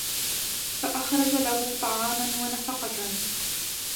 فَأَخْرَجَ لَهُ طَعَامًا وَنَفَقَةً